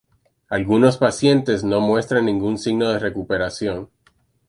Algunos pacientes no muestran ningún signo de recuperación.